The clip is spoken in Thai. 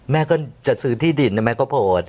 แม่ก็จะซื้อที่ดินเนี่ยแม่ก็โผล่